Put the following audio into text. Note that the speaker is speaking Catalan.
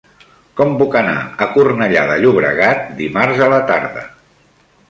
Com puc anar a Cornellà de Llobregat dimarts a la tarda?